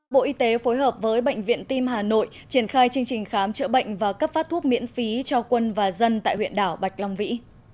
bộ y tế phối hợp với bệnh viện tim hà nội triển khai chương trình khám chữa bệnh và cấp phát thuốc miễn phí cho quân và dân tại huyện đảo bạch long vĩ